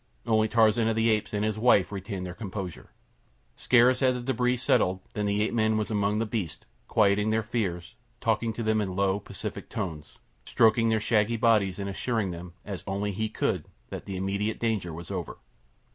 Only Tarzan of the Apes and his wife retained their composure. Scarce had the debris settled than the ape man was among the beasts, quieting their fears, talking to them in low, pacific tones, stroking their shaggy bodies, and assuring them, as only he could, that the immediate danger was over.